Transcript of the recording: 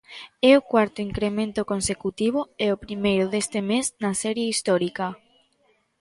É o cuarto incremento consecutivo e o primeiro deste mes na serie histórica.